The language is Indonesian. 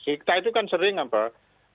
kita itu kan sering apa